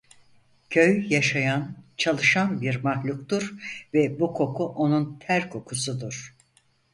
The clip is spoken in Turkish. Köy yaşayan, çalışan bir mahluktur ve bu koku onun ter kokusudur.